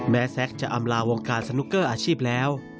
แซ็กจะอำลาวงการสนุกเกอร์อาชีพแล้ว